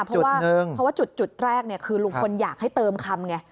อีกจุดหนึ่งเพราะว่าจุดแรกเนี่ยคือลุงคลอยากให้เติมคำไง